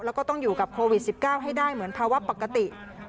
แล้วก็ต้องอยู่กับโควิด๑๙ให้ได้เหมือนภาวะปกติ